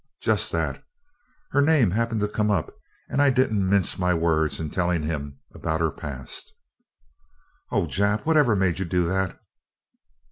"Just that. Her name happened to come up, and I didn't mince my words in telling him about her past." "Oh, Jap! Whatever made you do that?"